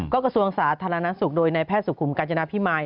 กระทรวงสาธารณสุขโดยในแพทย์สุขุมกาญจนาพิมาย